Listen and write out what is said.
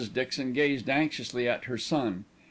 Dixon gazed anxiously at her son.